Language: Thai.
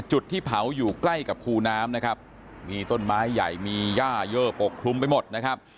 จุดที่เผาอยู่ใกล้กับคูน้ำนะครับมีต้นไม้ใหญ่มีย่าเยอะปกคลุมไปหมดนะครับ